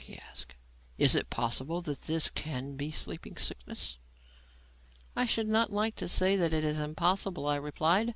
he asked. "Is it possible that this can be sleeping sickness?" "I should not like to say that it is impossible," I replied.